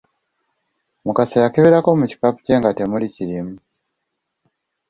Mukasa yakeberako mu kikapu kye nga temuli kirimu.